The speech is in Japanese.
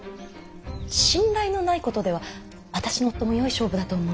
信頼のないことでは私の夫もよい勝負だと思うのですが。